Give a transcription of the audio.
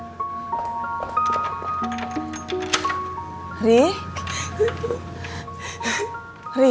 daha biasa sekarang